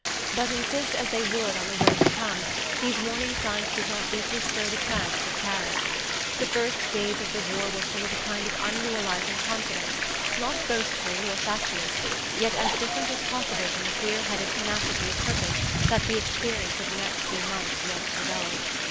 But insist as they would on the woe to come, these warning signs did not deeply stir the trance of Paris. The first days of the war were full of a kind of unrealizing confidence, not boastful or fatuous, yet as different as possible from the clear headed tenacity of purpose that the experience of the next few months was to develop.